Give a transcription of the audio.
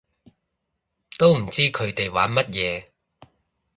都唔知佢哋玩乜嘢